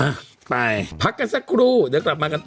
อ่ะไปพักกันสักครู่เดี๋ยวกลับมากันต่อ